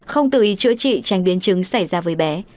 không tự ý chữa trị tránh biến chứng xảy ra với bé